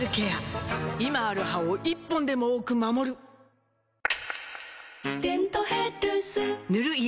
今ある歯を１本でも多く守る「デントヘルス」塗る医薬品も